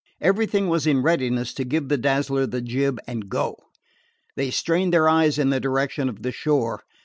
Everything was in readiness to give the Dazzler the jib, and go. They strained their eyes in the direction of the shore.